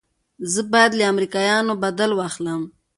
زه بايد له امريکايانو بدل واخلم.